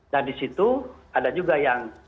nah di situ ada juga yang